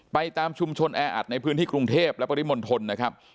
ตามชุมชนแออัดในพื้นที่กรุงเทพและปริมณฑลนะครับ